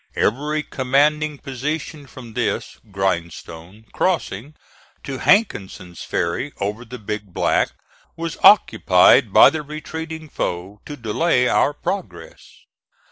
Every commanding position from this (Grindstone) crossing to Hankinson's ferry over the Big Black was occupied by the retreating foe to delay our progress.